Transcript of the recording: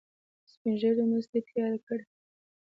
سپین ږیري مستې تیارې کړې.